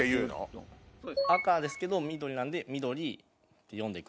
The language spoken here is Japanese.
「赤」ですけど緑なんで緑！って読んで行く。